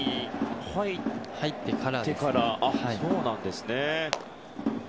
入ってからですね。